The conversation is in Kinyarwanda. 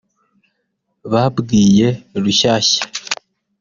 babwiye rushyashya